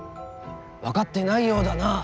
分かってないようだなあ。